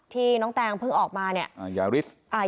ที่น้องแตงเพิ่งออกมาเนี่ยยาริส